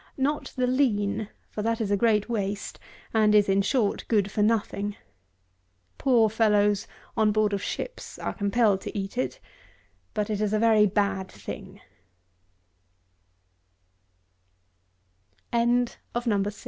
Not the lean; for that is a great waste, and is, in short, good for nothing. Poor fellows on board of ships are compelled to eat it, but it is a very ba